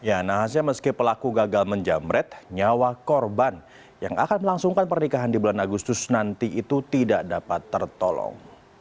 ya nahasnya meski pelaku gagal menjamret nyawa korban yang akan melangsungkan pernikahan di bulan agustus nanti itu tidak dapat tertolong